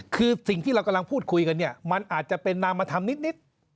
คือสิ่งที่เรากำลังพูดคุยกันเนี่ยมันอาจจะเป็นนามธรรมนิด